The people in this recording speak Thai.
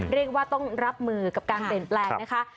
เรียกว่าต้องรับมือกับการเปลี่ยนแปลงนะคะ